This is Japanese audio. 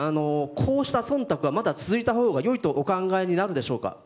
こうした忖度はまだ続いたほうが良いとお考えでしょうか？